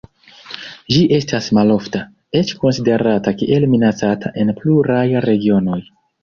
Ĝi estas malofta, eĉ konsiderata kiel minacata en pluraj regionoj.